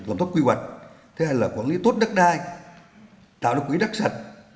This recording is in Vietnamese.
làm tốt quy hoạch thế hay là quản lý tốt đất đai tạo được quỹ đất sạch